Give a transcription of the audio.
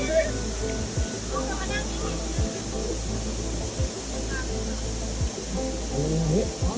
อุ้ยแสดงว่าติดนานแล้วหัวบูเลยโหย